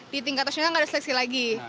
di tingkat nasional tidak ada seleksi lagi